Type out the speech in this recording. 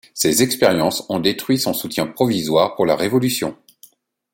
Ses expériences ont détruit son soutien provisoire pour la révolution.